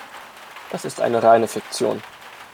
Das ist eine reine Fiktion.